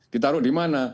ditaruh di mana